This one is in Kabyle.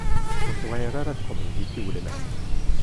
Ur tewεir ara teqbaylit i ulmad.